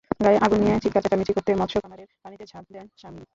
গায়ে আগুন নিয়েই চিৎকার-চেঁচামেচি করতে করতে মৎস্য খামারের পানিতে ঝাঁপ দেন শামীম।